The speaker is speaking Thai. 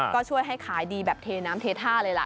ก็ช่วยให้ขายดีแบบเทน้ำเทท่าเลยล่ะ